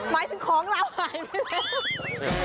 หมายถึงของเราหายไปไหม